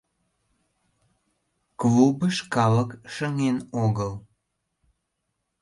Клубыш калык шыҥен огыл.